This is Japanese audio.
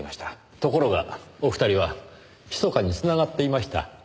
ところがお二人はひそかに繋がっていました。